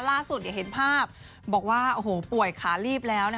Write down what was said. ล่าสุดเห็นภาพบอกว่าโอ้โหป่วยขาลีบแล้ว